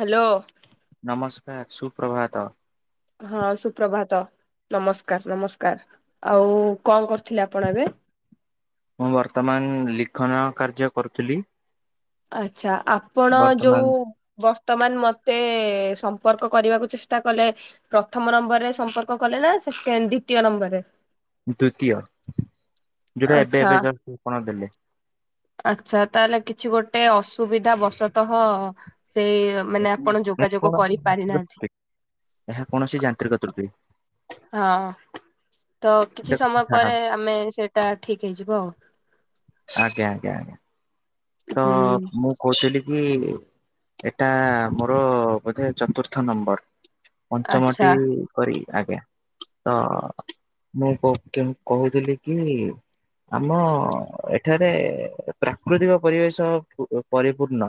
Hello. ନମସ୍କାର ସୁପ୍ରଭାତ। ହଁ ସୁପ୍ରଭାତ ନମସ୍କାର ନମସ୍କାର ଆଉ କଣ କରୁଥିଲେ ଆପଣ ଏବେ? ମୁଁ ବର୍ତ୍ତମାନ ଲିଖନ କାର୍ଯ୍ୟ କରୁଥିଲି। ଆଛା ଆପଣ ବର୍ତ୍ତମାନ ଯୋଉ ବର୍ତ୍ତମାନ ମତେ ସମ୍ପର୍କ କରିବାକୁ ଚେଷ୍ଟା କଲେ ପ୍ରଥମ ନମ୍ବରରେ ସମ୍ପର୍କ କଲେ ନା ସେ ଫ୍ରେ ଦ୍ଵିତୀୟ ନମ୍ବରରେ? ଦ୍ଵିତୀୟ ଯୋଉଟା ଏବେ ଆଚ୍ଛା ଏବେ ଯ ଠିକଣା ଦେଲେ। ଆଚ୍ଛା ତାହେଲେ କିଛି ଗୋଟେ ଅସୁବିଧା ବଶତଃ ସେଇ ମାନେ ଆପଣ ଏହା ଯୋଗାଯୋଗ କୌଣସି କରିପାରି ଯାନ୍ତ୍ରିକ ନାହାନ୍ତି। ତ୍ରୁଟି ଏହା କୌଣସି ଯାନ୍ତ୍ରିକ ତ୍ରୁଟି। ହଁ ତ ସେ କିଛି କଥା ସମୟ ପରେ ଛାଡ଼ନ୍ତୁ। ଆମେ ସେଇଟା ଠିକ ହେଇଯିବ। ଆଜ୍ଞା ଆଜ୍ଞା ଆଜ୍ଞା ତ ହୁଁ ମୁଁ କହୁ ସିଲିକି ଏଇଟା ମୋର ବୋଧେ ଚତୁର୍ଥ ନମ୍ବର। ଆଚ୍ଛା ପଞ୍ଚମଟି କରି ଆଜ୍ଞା। ତ ମୁଁ କହୁଥିଲି କି ଆମ ଏଠାରେ ପ୍ରାକୃତିକ ପରିବେଶ ପୁ ପରିପୂର୍ଣ୍ଣ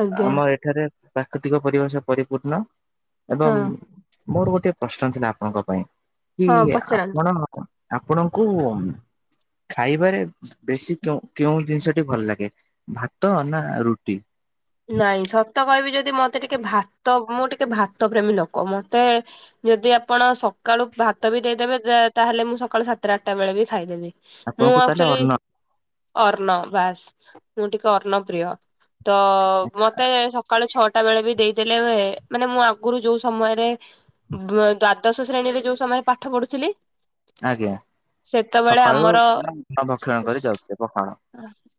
ଆଜ୍ଞା ଆମର ଏଠାରେ ପ୍ରାକୃତିକ ପରିବେଶ ପରିପୂର୍ଣ୍ଣ ହଁ ଏବଂ ମୋର ଗୋଟେ ପ୍ରଶ୍ନ ଥିଲା ଆପଣଙ୍କ ପାଇଁ କି ହଁ ପଚାରନ୍ତୁ। ଆପଣ ଆପଣଙ୍କୁ ଖାଇବାରେ ବେଶୀ କେଉଁ ଜିନିଷ ଭଲ ଲାଗେ ଭାତ ନା ରୁଟି? ନାଇଁ ସତ କହିବି ଯଦି ମତେ ଟିକେ ଭାତ ମୁଁ ଟିକେ ଭାତ ପ୍ରେମୀ ଲୋକ। ମତେ ଯଦି ଆପଣ ସକାଳୁ ଭାତ ବି ଦେଇଦେବେ ତାହେଲେ ମୁଁ ସକାଳୁ ସାତଟ ଆଠଟା ବେଳେ ବି ଖାଇଦେବି। ମୁଁ ଆପଣଙ୍କୁ ତାହେଲେ ଆକ୍ଚୁଆଲି ଅନ୍ନ ଅର୍ଣ୍ଣ ବାସ ମୁଁ ଟିକେ ଅର୍ଣ୍ଣ ପ୍ର୍ରିୟ ତ ମତେ ସକାଳ ଛଅଟା ଟା ବେଳେ ବି ଦେଇଦେଲେ ମାନେ ମୁଁ ଆଗରୁ ଯୋଉ ସମୟରେ ବ୍ ଦ୍ଵାଦଶ ଶ୍ରେଣୀରେ ଯୋଉ ସମୟ ପାଠ ପଢୁଥିଲି ଆଜ୍ଞା ସେତେବେଳେ ସକାଳୁ ଆମର ଭକ୍ଷଣ କରି ଯାଉଥିଲେ ପଖାଳ।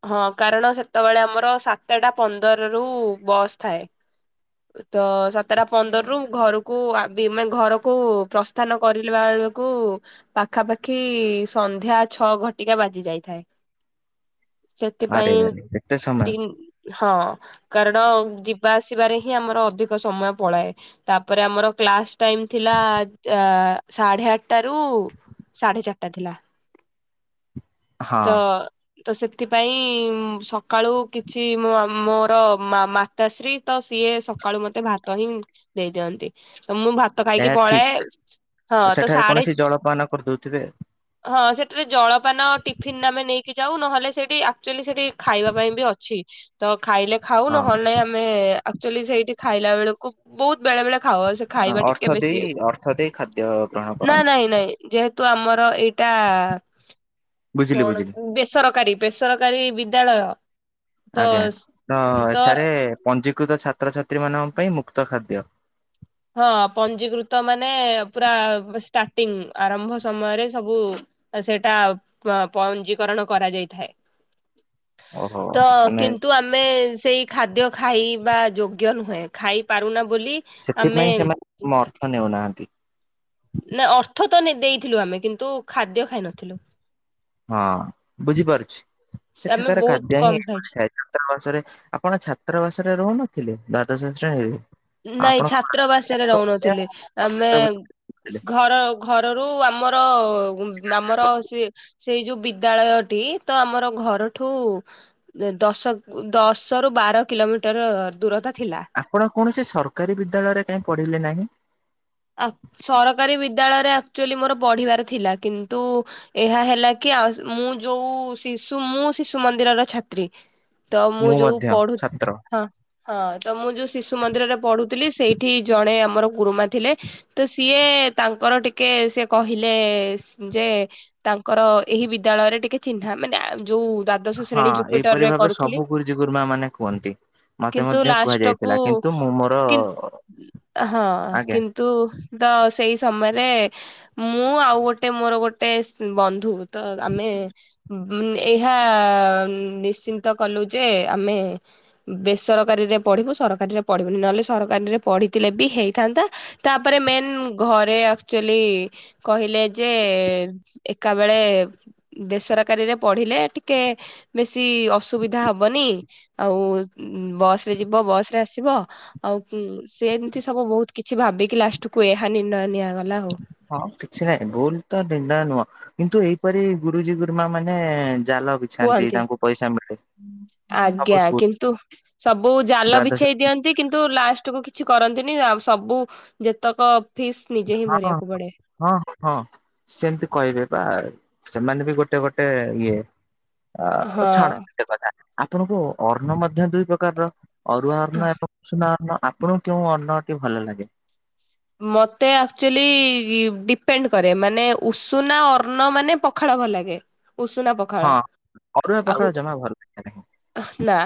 ହଁ କାରଣ ସେତେବେଳେ ଆମର ସାତଟା ପନ୍ଦର ରୁ ବସ୍ ଥାଏ। ହ [unintelligible] ତ ସାତଟା ପନ୍ଦରରୁୁ ଘରକୁ ଆ ବି-ମାନେ ଘରକୁ ପ୍ରସ୍ଥାନ କରିଲା ବେଳକୁ ପାଖାପାଖି ସନ୍ଧ୍ୟା ଛଅ ଘଟିକା ବାଜି ଯାଇଥାଏ। ଆରେ ସେଥିପାଇଁ ଆରେ ଏତେ ସମୟ ତିନ୍ ହଁ। କାରଣ ଯିବା ଆସିବାରେ ହିଁ ଆମର ଅଧିକ ସମୟ ପଳାଏ ତାପରେ ଆମର କ୍ଲାସ ଟାଇମ ଥିଲା ଆ-ସାଢେ ଆଠଟା ରୁ ସାଢେ ଚାରିଟା ଥିଲା। ହଁ ତ। ତ ସେଥିପାଇଁ ସକାଳୁ କିଛି ମୋ ଆ ମୋର୍ ତ ମା ମାତାଶ୍ରୀ ତ ସିଏ ସକାଳୁ ମତେ ଭାତ ହିଁ ଦେଇ ଦିଅନ୍ତି ତ ମୁଁ ଭା ଭାତ ଖାଇକି ଏହା ଠିକ ପଳାଏ ହଁ ତ ସେଠାରେ ସାଡେ କୌଣସି ଜଳପାନ କରିଦଉଥିବେ ହଁ ସେଠିରେ ଜଳପାନ ଟିଫିିନ୍ ଆମେ ନେଇକି ଯାଉ ନହେଲେ ସେଠି ଆକ୍ଚୁଆଲି ସେଠି ଖାଇବା ପାଇଁ ବି ଅଛି ତ ଖାଇଲେ ଖାଉ ହଁ ନହେଲେ ଆମ ଆମେ ଏକ୍ଟୁଆଲି ସେଇଟି ଖାଇଲା ବେଳକୁ ବହୁତ ବେଳେ ବେଳେ ଖାଉ ଆଉ ସେ ଖାଇବା ଅର୍ଥ ଟିକିଏ ଦେଇ ବେଶୀ ଅର୍ଥ ଦେଇ ଖାଦ୍ୟ ଗ୍ରହଣ ନା କରନ୍ତି ନାଇଁ ନାଇଁ। ଯେହେତୁ ଆମର ଏଇଟା ବୁଝିଲି କଣ ବୁଝିଲି ବେସରକାରୀ। ବେସରକାରୀ ବିଦ୍ୟାଳୟ ତ ଆଜ୍ଞା ତ ଏଠାରେ ପଞ୍ଜୀକୃତ ଛାତ୍ରଛାତ୍ରୀ ମାନଙ୍କ ପାଇଁ ମୁକ୍ତ ଖାଦ୍ୟ। ହଁ ପଞ୍ଜୀିକୃତ ମାନେ ପୁରା ଷ୍ଟାର୍ଟିଂ ଆରମ୍ଭ ସମୟରେ ସବୁ। ସେଟା ପ୍-ପଞ୍ଜୀିକରଣ କରାଯାଇଥାଏ। ହ [unintelligible] ତ କିନ୍ତୁ ଆମ୍ ଆମେ ସେଇ ଖାଦ୍ୟ ଖାଇବା ଯୋଗ୍ୟ ନୁହେଁ ଖାଇ ପାରୁନା ବୋଲି। ଆମେ ସେଥିପାଇଁ ସେମାନେ ମ ଅର୍ଥ ନେଉନାହାନ୍ତି। ନା ଅର୍ଥ ତ ନେ-ଦେଇଥିଲୁ ଆମେ କିନ୍ତୁ ଖାଦ୍ୟ ଖାଇ ନଥିଲୁ। ହଁ ବୁଝିପାରୁଛି ଆମେ ସେଠାକାର ବହୁତ ଖାଦ୍ୟ ହିଁ କମ ଏହି ଖାଇଛୁ ଭଳି ଥାଏ ତ। ଛାତ୍ରାବାସରେ ଆପଣ ଛାତ୍ରବାସରେ ରହୁନଥିଲେ ଦ୍ୱାଦଶ ଶ୍ରେଣୀରେ। ନାଇଁ ଆପଣଙ୍କ ଛାତ୍ରାବାସରେ ରହୁନଥିଲି ଆମେ। ଥିଲେ ଘର ଘରରୁ ଆମର ଗୁମ୍ -ଆମର ସିଏ। ସେଇ ଯୋଉ ବିଦ୍ୟାଳୟଟି ତ ଆମର ଘରଠୁ। ଦଶ ଦଶ ରୁ ବାର କିଲୋମିଟର ଦୂରତା ଥିଲା। ଆପଣ କୌଣସି ସରକାରୀ ବିଦ୍ୟାଳୟରେ କାଁଇ ପଢିଲେ ନାହିଁ? ଅକ୍-ସରକାରୀ ବିଦ୍ୟାଳୟରେ ଆକ୍ଚୁଅଲି ମୋର ପଢିବାର ଥିଲା କିନ୍ତୁ ଏହା ହେଲା କି ଆ-ମୁଁ ଯୋଉ ଶିଶୁ ମୁଁ ଶିଶୁ ମନ୍ଦିରର ଛାତ୍ରୀ। ତ ମୁଁ ଯୋଉ ମଧ୍ୟ ପଢୁ ଛାତ୍ର ହଁ। ହଁ ତ ମୁଁ ଯୋଉ ଶିଶୁ ମନ୍ଦିରରେ ପଢ଼ୁଥିଲି ସେଇଠି ଜଣେ ଆମର ଗୁରୁମା ଥିଲେ। ତ ସିଏ ତାଙ୍କର ଟିକେ ସେ କହିଲେ ସ-ଯେ। ତାଙ୍କର ଏହି ବିଦ୍ୟାଳୟରେ ଟିକେ ଚିହ୍ନା ମାନେ ଯୋଉ ଦାଦ ହଁ ଏହିପରି ଭାବେ ସବୁ ଗୁରୁଜୀ ଗୁରୁମା ମାନେ କୁହନ୍ତି ମତେ କିନ୍ତୁ ମଧ୍ୟ କୁହାଯାଇ ଲାଷ୍ଟକୁ ଥିଲା କିନ୍ତୁ ମୁଁ ମୋର। କି ହଁ ଆଜ୍ଞା କିନ୍ତୁ ତ ସେଇ ସମୟରେ ମୁଁ ଆଉ ଗୋଟେ ମୋର ଗୋଟେ ଶ-ବନ୍ଧୁ ତ ଆମେ। ମ୍-ଏହା ନିଶ୍ଚିନ୍ତ କଲୁ ଯେ ଆମେ। ବେସରକାରୀରେ ପଢିବୁ ସରକାରୀରେ ପଢିବୁନି ନହେଲେ ସରକାରୀରେ ପଢିଥିଲେ ବି ହେଇଥାନ୍ତା। ତାପରେ ମେନ୍ ଘରେ ଆକ୍ଚୁଲି। କହିଲେ ଯେ ଏକା ବେଳେ ବେସରକାରୀରେ ପଢିଲେ ଟିକେ ବେଶୀ ଅସୁବିଧା ହବନି ଆଉ ବସ ରେ ଯିବ ବସ ରେ ଆସିବ। ଆଉ କ୍-ସେନ୍ତି ସବୁ ବହୁତ କିଛି ଭାବିକି ଲାଷ୍ଟକୁୁ ଏହା ନିର୍ଣ୍ଣୟ ନିଆଗଲା ଆଉ। ହଁ କିଛି ନହିଁ ଭୁଲ ତ ନିର୍ଣ୍ଣୟ ନୁହଁ। କିନ୍ତୁ ଏଇପରି ଗୁରୁଜୀ ଗୁରୁମା ମାନେ ଜାଲ ବି କୁହନ୍ତି ସବୁ ଆଜ୍ଞା ସ୍କୁଲ କିନ୍ତୁ ସବୁ ଜାଲ ଦ୍ଵାଦଶ ବିଛେଇ ଦିଅନ୍ତି କିନ୍ତୁ ଲାଷ୍ଟ କୁ କିଛି କରନ୍ତିନି ଆଉ ସବୁ ଯେତକ ଫିସ୍ ନିଜେ ହିଁ ହଁ ଭରିବାକୁ ପଡେ ହଁ ହଁ। ସେମିତି କହିବେ ବା ସେମାନେ ବି ଗୋଟେ ଗୋଟେ ଇଏ ଆଉ ହଁ। ଛାଡ଼ନ ଗୋଟେ କଥା ଆପଣଙ୍କୁ ଅର୍ଣ ମଧ୍ୟ ଦୁଇ ପ୍ରକାରର ଅରୁଆ ଅର୍ଣ୍ଣ ଏବଂ ଉସୁନାଅର୍ଣ୍ଣ ଆପଣଙ୍କୁ କେଉଁ ଅନ୍ନଟି ଭଲ ଲାଗେ। ମତେ ଆକ୍ଚୁଲି ଡିପେଣ୍ଡ କରେ ମାନେ ଉଷୁନା ଅର୍ଣ ମାନେ ପ ପଖାଳ ଭଲ ଲାଗେ ଉଷୁନା ପଖାଳ ହଁ ଅରୁଆ ଆଉ ପଖାଳ ଜମା ଭଲ ଲାଗେ ନାହିଁ। ନା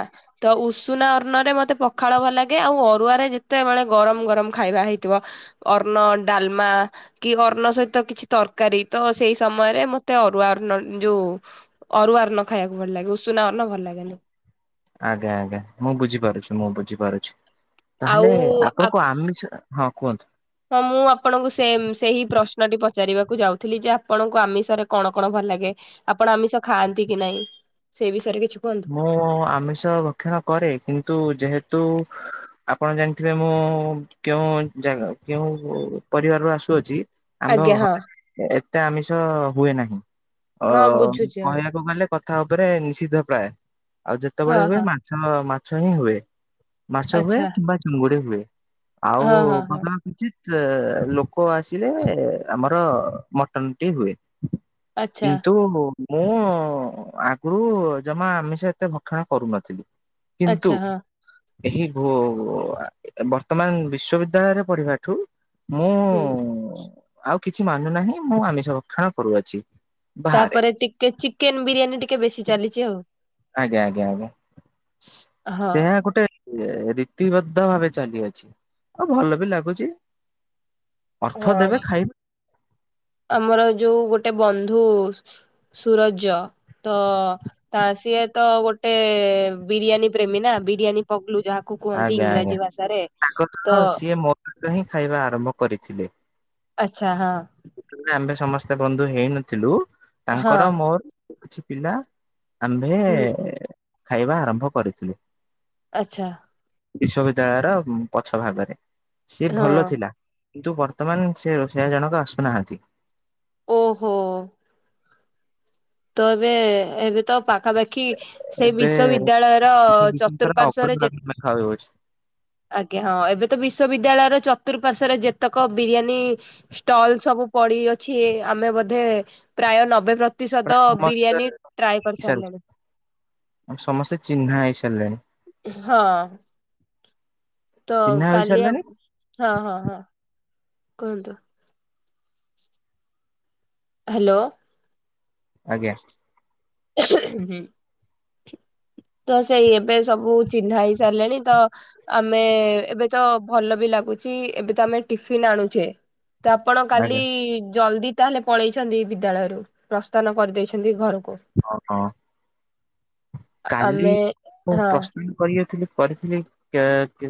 ତ ଉଷୁନା ଅର୍ନ ରେ ମତେ ପଖାଳ ଭଲ ଲାଗେ ଆଉ ଅରୁଆରେ ଯେତେବେଳେ ଗରମ ଗରମ ଖାଇବା ହେଇ ଥିବ ଅର୍ଣ୍ଣ ଡାଲମା କି ଅର୍ଣ୍ଣ ସହିତ କିଛି ତରକାରୀ ତ ସେଇ ସମୟରେ ମତେ ଅରୁଆ ଅର୍ଣ୍ଣ ଯୋଉ ଅରୁଆ ଅର୍ଣ୍ଣ ଖାଇବାକୁ ଭଲ ଲାଗେ ଉଷୁନା ଅର୍ଣ୍ଣ ଭଲ ଲାଗେନି। ଆଜ୍ଞା ଆଜ୍ଞା ମୁଁ ବୁଝିପାରୁଛି ମୁଁ ବୁଝିପାରୁଛି ତାହେଲେ ଆଉ ଆପଣଙ୍କୁ ଆମିଷ ହଁ କୁହନ୍ତୁ? ହଁ ମୁଁ ଆପଣଙ୍କୁ ସେ ସେହି ପ୍ରଶ୍ନଟି ପଚାରିବାକୁ ଯାଉଥିଲି ଯେ ଆପଣଙ୍କୁ ଆମିଷରେ କଣ କଣ ଭଲ ଲାଗେ? ଆପଣ ଆମିଷ ଖାଆନ୍ତି କି ନାହିଁ ସେ ବିଷୟରେ କିଛି କୁହନ୍ତୁ ମୁଁ ଆମିଷ ଭକ୍ଷଣ କରେ କିନ୍ତୁ ଯେହେତୁ ଆପଣ ଜାଣିଥିବେ ମୁଁ କେଉଁ ଜାଗା କେଉଁ ପରିବାରରୁ ଆସୁଅଛି ଆମ୍ଭ ଆଜ୍ଞା ହଁ ଏତେ ଆମିଷ ହୁଏ ନାହିଁ ଅ ହଁ ବୁଝୁଛି ହଁ କହିବାକୁ ଗଲେ କଥା ଉପରେ ନିଷିଦ୍ଧ ପ୍ରାୟ ଆଉ ଯେତେବେଳେ ହଁ ହୁଏ ହଁ ମାଛ ମାଛ ହିଁ ହୁଏ ମାଛ ହୁଏ ଆଚ୍ଛା କିମ୍ବା ଚୁଙ୍ଗୁଡି ହୁଏ ଆଉ ହଁ ହଁ ହଁ କଣ ଉଚିତ ଲୋକ ଆସିଲେ ଆମର ମଟନଟି ହୁଏ ଆଚ୍ଛା କିନ୍ତୁ ମୁଁ ଆଗରୁ ଜମା ଆମିଷ ଏତେ ଭକ୍ଷଣା କରୁନଥିଲି ଆଚ୍ଛା କିନ୍ତୁ ହଁ ଏହି ଭୋ ବର୍ତ୍ତମାନ ବିଶ୍ଵବିଦ୍ୟାଳୟରେ ପଢିବା ଠୁ ମୁଁ ହୁଁ ଆଉ କିଛି ମାନୁ ନାହିଁ ମୁଁ ଆମିଷରକ୍ଷଣ କରୁଅଛି। ବାହାରେ ତାପରେ ଟିକେ ଚିକେନ ବିରିୟାନୀ ଟିକେ ବେଶୀ ଚାଲିଛି ଆଉ। ଆଜ୍ଞା ଆଜ୍ଞା ଆଜ୍ଞା ହଁ ସେ ଗୋଟେ ରୀତିିବଦ୍ଧ ଭାବେ ଚାଲିଅଛି ଆଉ ଭଲ ବି ଲାଗୁଛି। ଅର୍ଥ ଦେବେ ହଁ ଖାଇବେ। ଆମର ଯୋଉ ଗୋଟେ ବନ୍ଧୁ ସୁରଜ ତ ତ ସିଏ ତ ଗୋଟେ ବିରିୟାନୀ ପ୍ରେମୀ ନା ବିରିୟାନୀ ପଗଲୁ ଯାହା କୁ କୁହନ୍ତି ଆଜ୍ଞା ଇଂରାଜୀ ଭାଷାରେ ତ ଏଟା ହିଁ ଖାଇବା ଆରମ୍ଭ କରିଥିଲେ। ଆଚ୍ଛା ହଁ। ଆମେ ସମସ୍ତେ ବନ୍ଧୁ ହେଇନଥିଲୁ ହଁ ତାଙ୍କର ମୋର କିଛି ପିଲା ଆମ୍ଭେ ହୁଁ ଖାଇବା ଆରମ୍ଭ କରିଥିଲୁ। ଆଛା। ବିଶ୍ୱବିଦ୍ୟାଳୟର ପଛ ଭାଗରେ ସିଏ ହଁ ଭଲ ଥିଲା। କିନ୍ତୁ ବର୍ତ୍ତମାନ ସେ ରୋଷେଇଆ ଜଣକ ଆସୁନାହାନ୍ତି। ଓହୋ। ତ ଏବେ ଏବେ ତ ପାଖାପାଖି କି ସେଇ ଏବେ ବିଶ୍ଵବିଦ୍ୟାଳୟର ବିଶେଷକରି ଚତୁଃପାର୍ଶ୍ଵରେ ଯେ ଅଗ୍ରଭାଗ ଖାଉଅଛି। ଆଜ୍ଞା ହଁ ଏବେ ତ ବିଶ୍ୱବିଦ୍ୟାଳୟର ଚତୁର୍ପାର୍ଶରେ ଯେତେକ ବିରିୟାନୀ ଷ୍ଟଲ ସବୁ ପଡି ଅଛି ଆମେ ବୋଧେ ପ୍ରାୟ ନବେ ପ୍ରତିଶତ ସତ ପ୍ରାୟ ସମସ୍ତେ ବିରଆନି ଟ୍ରାଏ କରି ହେଇସାରିଛି ସାରିଲଣି। ସମସ୍ତେ ଚିହ୍ନା ହେଇ ସାରିଲେଣି। ହଁ। ତ ଚିହ୍ନା କାଲି ହେଇସାରିଲେଣି [unintelligible] ହଁ ହଁ ହଁ। କୁହନ୍ତୁ। ହାଲୋ। ଆଜ୍ଞା। [unintelligible] ତ ସେଇ ଏବେ ସବୁ ଚିହ୍ନା ହେଇ ସାରିଲେଣି ତ ଆମେ ଏବେ ତ ଭଲ ବି ଲାଗୁଚି ଏବେ ତ ଆମେ ଟିଫିିନ ଆଣୁଛେ। ତ ଆପଣ କାଲି ଆଜ୍ଞା ଜଲ୍ଦୀ ତାହେଲେ ପଳେଇଛନ୍ତି ବିଦ୍ୟାଳୟରୁ ପ୍ରସ୍ଥାନ କରିଦେଇଛନ୍ତି ଘରକୁ। ଅଃ। କାଲି ଆମେ ମୁଁ ହଁ ପ୍ରସ୍ଥାନ କରିବାର ଥିଲେ କରିଥିଲି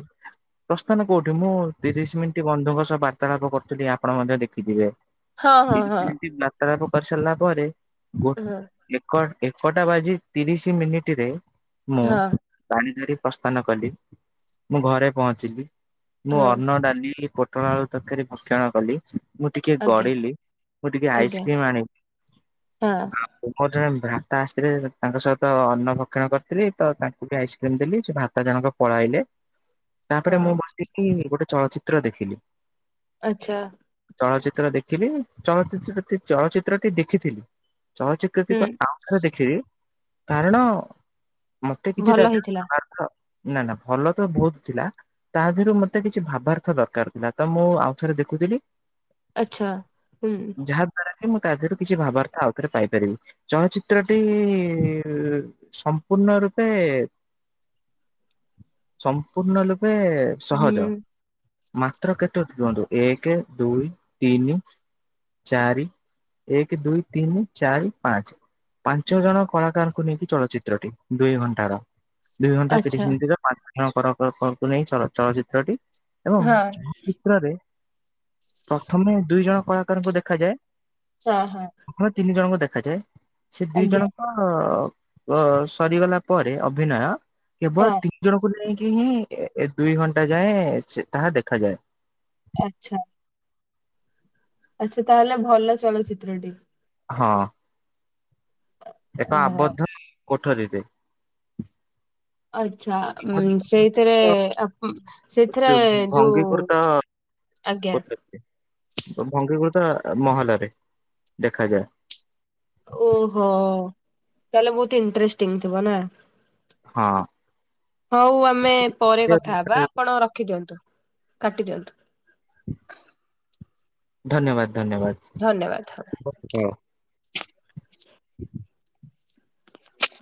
[unintelligible] ପ୍ରସ୍ଥାନ କୋଉଠି ମୁଁ ତିରିଶ ମିନିଟ୍ ବନ୍ଧୁଙ୍କ ସହ ବାର୍ତ୍ତାଳାପ କରୁଥିଲି ଆପଣ ମଧ୍ୟ ଦେଖିଥିବେ। ହଁ ହଁ ତିରିଶ ହଁ ମିନିଟ୍ ବାର୍ତ୍ତାଳାପ କରି ସାରିଲା ପରେ ଗୋ ହଁ ଏକ ଏକଟା ବାଜି ତିରିଶ ମିନିଟିରେ ମୁଁ ହଁ [unintelligible] ଧରି ପ୍ରସ୍ଥାନ କଲି ମୁଁ ଘରେ ପହଞ୍ଚିଲି ମୁଁ ହଁ ଅର୍ନ ଡାଲି ପୋ ଟୋଳୋ ଆଳୁ ତରକାରୀ ଭକ୍ଷଣ କଲି। ମୁଁ ଟିକେ ଆଜ୍ଞା ଗଡିଲି ମୁଁ ଟିକେ ଆଜ୍ଞା ଆଇସ୍କ୍ରିମ୍ ଆଣି ହଁ ମୋର ଜଣେ ଭ୍ରାତା ଆସିଥିଲେ ତାଙ୍କ ସହିତ ଅର୍ନ ଭକ୍ଷଣ କରିଥିଲି ତ ତାଙ୍କୁ ବି ଆଇସ୍କ୍ରିମ ଦେଲି ସେ ଭ୍ରାତା ଜଣକ ପଳାଇଲେ ତାପରେ ହଁ ମୁଁ ବସ୍ ସିକି ଗୋଟେ ଚଳଚିତ୍ର ଦେଖିଲି। ଆଚ୍ଛା। ଚଳଚିତ୍ର ଦେଖିଲି ଚଳଚିତିର ଟି ଚଳଚିତ୍ର ଟି ଦେଖିଥିଲି ଚଳଚି ହୁଁ କୃତିକ ଆଉ ଥରେ ଦେଖି [unintelligible] କାରଣ ମତେ କିଛି ଭଲ ତା ହେଇଥିଲା [unintelligible] ନା ନା ଭଲ ତ ବୋହୁତ ଥିଲା। ତା ଦେହରୁ ମତେ କିଛି ଭାବାର୍ଥ ଦରକାର ଥିଲା ତ ମୁଁ ଆଉ ଥରେ ଦେଖୁଥିଲି। ଆଚ୍ଛା ହୁଁ। ଯାହା ଦ୍ଵାରା କି ମୁଁ ତା ଦେହରୁ କିଛି ଭାବାର୍ତା ଆଉଥରେ ପାଇପାରିବି ଚଳଚିତ୍ରଟି ସମ୍ପୂର୍ଣ୍ଣ ରୂପେ ସମ୍ପୂର୍ଣ୍ଣ ଲୁପେ। ହୁଁ ସହଜ ମାତ୍ର କେତୋ ରୁହନ୍ତୁ ଏକ ଦୁଇ ତିନି ଚାରି ଏକେ ଦୁଇ ତିନି ଚାରି ପାଞ୍ଚେ ପାଞ୍ଚ ଜଣ କଳାକାରଙ୍କୁ ନେଇକି ଚଳ ଚିତ୍ରଟି ଦୁଇ ଘଣ୍ଟାର ଦୁଇ ଘଣ୍ଟା ଆଚ୍ଛା ତିରିଶ ମିନିଟ ର ପାଞ୍ଚ ଜଣ [unintelligible] ଚଳଚିତ୍ର ଟି ଏବଂ ହଁ ଚଳଚିତ୍ରରେ ପ୍ରଥମେ ଦୁଇ ଜଣ କଳାକାରଙ୍କୁ ଦେଖାଯାଏ। ହଁ ହଁ। [unintelligible] ତିନି ଜଣଙ୍କୁ ଦେଖାଯାଏ ସେ ଦି ଆଜ୍ଞା ଜଣଙ୍କ ଅ ସରିଗଲା ପରେ ଅଭିନୟ ହଁ କେବଳ ତି ଜଣକୁ ନେଇକି ହିଁ ଏ ଏ ଦୁଇ ଘଣ୍ଟା ଯାଏଁ ସେ ତାହା ଦେଖାଯାଏ। ଆଚ୍ଛା। ଆଚ୍ଛା ତାହେଲେ ଭଲ ଚଳଚିତ୍ର ଟି। ହଁ। ଏକ ଓହୋ ଆବଦ୍ଧ କୋଠରୀରେ ଆଚ୍ଛା ଉଁ ସେଇଥିରେ [unintelligible] ସେଥିରେ ଯୋଉ ଭଙ୍ଗୀକୃତ ଆଜ୍ଞା। [unintelligible] ମହଲରେ ଦେଖାଯାଏ। ଓହୋ ତାହେଲେ ବୋହୁତି ଇଣ୍ଟ୍ରେଷ୍ଟିଙ୍ଗି ଥିବ ନା। ହଁ ହଉ ଆମେ ପରେ କଥା ହବା ଆପଣ ରଖିଦିଅନ୍ତୁ। କାଟି ଦିଅନ୍ତୁ। ଧନ୍ୟବାଦ ଧନ୍ୟବାଦ। ଧନ୍ୟବାଦ [unintelligible] ହୁଁ।